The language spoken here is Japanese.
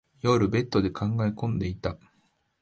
夜、ベッドで考え込んでいた。